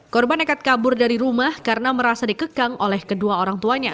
korban nekat kabur dari rumah karena merasa dikekang oleh kedua orang tuanya